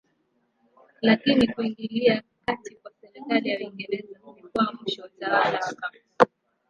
Lakini kuingilia kati kwa serikali ya Uingereza kulikuwa mwisho wa utawala wa kampuni.